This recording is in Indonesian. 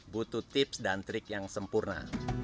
butuh tips dan trik yang sempurna